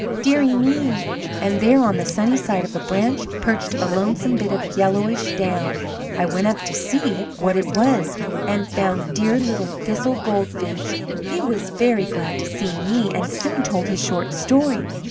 Dear ie me!' and there on the sunny side of a branch perched a lonesome bit of yellowish down. I went up to see what it was, and found dear little Thistle Goldfinch! He was very glad to see me, and soon told his short story.